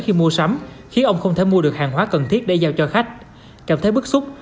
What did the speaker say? khi mua sắm khiến ông không thể mua được hàng hóa cần thiết để giao cho khách cảm thấy bức xúc